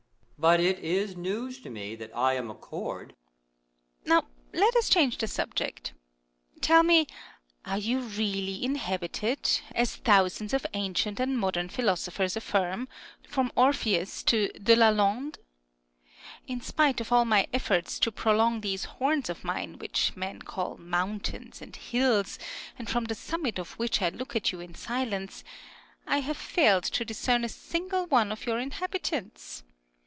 But it is news to me that I am a chord. Earth. Now let us change the subject. Tell me ; are you really inhabited, as thousands of ancient and modern philosophers affirm — from Orpheus to De Lalande ? In spite of all my efforts to prolong these horns of mine, which men call mountains and hills, and from the summits of which I look at you in silence, I have failed to discern a single one of your inhabitants.